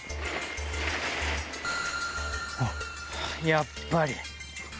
やっぱり。